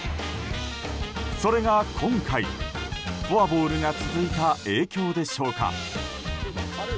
それが今回、フォアボールが続いた影響でしょうか。